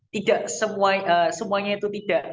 tidak semuanya itu tidak